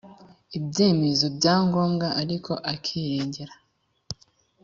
ibyemezo bya ngombwa ariko akirengera